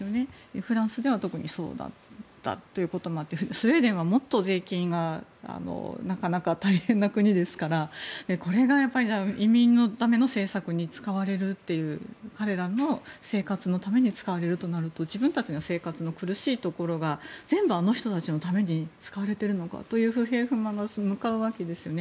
フランスでは特にそうだったということもあってスウェーデンは、もっと税金がなかなか大変な国ですからこれが、移民のための政策に使われるという彼らの生活のために使われるとなると自分たちの生活も苦しいところが全部、あの人たちのために使われているのかという不平不満が向かうわけですよね。